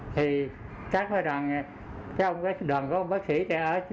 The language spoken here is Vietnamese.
thì các đoàn cái ông đoàn có ông bác sĩ để ở